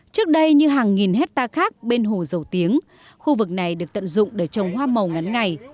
trước đây như hàng nghìn hectare khác bên hồ dầu tiếng khu vực này được tận dụng để trồng hoa màu ngắn ngày